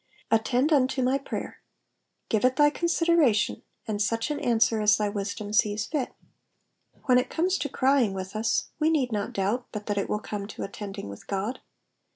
^^ Attend unto my prayer.'''' Give it thy con sideration, and such an answer as thy wisdom sees fit. When it comes to crying with us, we need not doubt but that it will come to attending with God.